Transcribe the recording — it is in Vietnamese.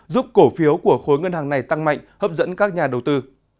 giúp cổ phiếu của khối ngân hàng này tăng mạnh hấp dẫn các nhà đầu tư